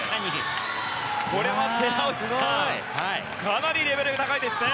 これは寺内さんかなりレベルが高いですね。